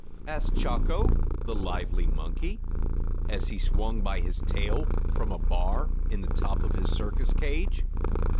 asked Chako, the lively monkey, as he swung by his tail from a bar in the top of his circus cage.